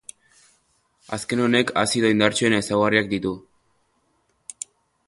Azken honek azido indartsuen ezaugarriak ditu.